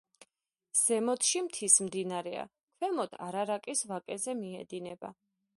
ზემოთში მთის მდინარეა, ქვემოთ არარატის ვაკეზე მიედინება.